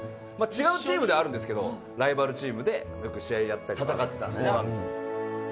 違うチームではあるんですけどライバルチームでよく試合やったり戦ってたんですよね。